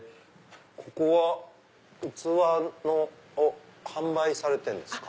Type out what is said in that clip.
ここは器を販売されてるんですか？